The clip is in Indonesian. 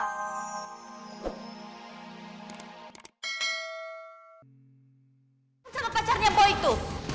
kenapa pacarnya boy tuh